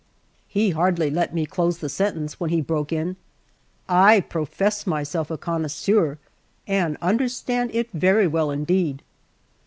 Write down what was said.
He hardly let me close the sentence when he broke in: "I profess myself a connoisseur, and understand it very well indeed."